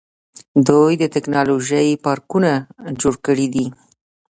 دوی د ټیکنالوژۍ پارکونه جوړ کړي دي.